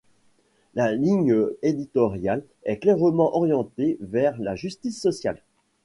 Sa ligne éditoriale est clairement orientée vers la justice sociale.